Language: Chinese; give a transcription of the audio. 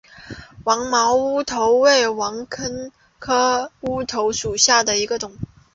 黄毛乌头为毛茛科乌头属下的一个种。